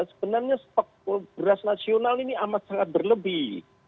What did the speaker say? sebenarnya stok beras nasional ini amat sangat berlebih